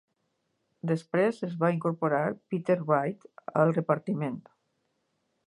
Després es va incorporar Peter Wright al repartiment.